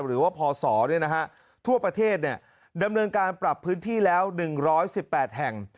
หรือว่าพศทั่วประเทศดำเนินการปรับพื้นที่แล้ว๑๑๘แห่ง